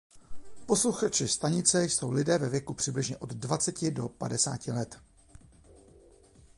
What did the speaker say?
Posluchači stanice jsou lidé ve věku přibližně od dvaceti do padesáti let.